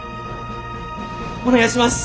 お願いします！